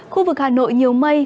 khu vực hà nội nhiều mây